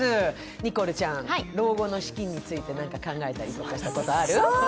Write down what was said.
ニコルちゃん、老後の資金について何か考えたりしたことある？